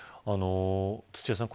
土屋さん